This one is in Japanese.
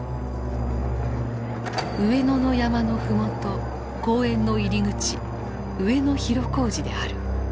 上野の山の麓公園の入り口上野広小路である。